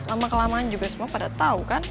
lama kelamaan juga semua pada tahu kan